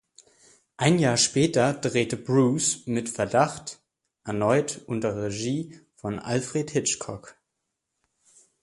Ein Jahr später drehte Bruce mit "Verdacht" erneut unter Regie von Alfred Hitchcock.